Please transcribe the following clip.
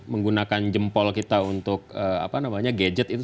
masih dapataud penelitian